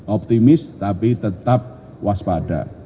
optimis tapi tetap waspada